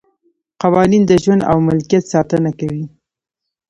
قوانین د ژوند او ملکیت ساتنه کوي.